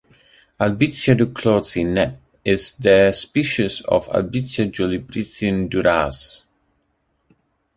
Albizia duclouxii nep.is the species of albizia julibrisssin durazz.